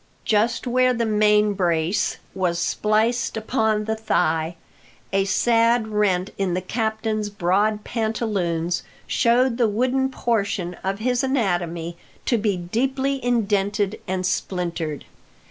Just where the "main brace" was spliced upon the thigh, a sad rent in the captain's broad pantaloons showed the wooden portion of his anatomy to be deeply indented and splintered.